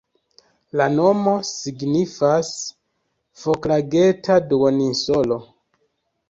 La nomo signifas "Foklageta-duoninsolo".